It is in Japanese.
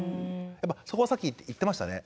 やっぱそこはさっき言ってましたね。